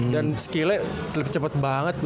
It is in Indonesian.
dan skillnya cepet banget